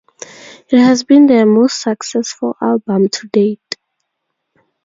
It has been their most successful album to date.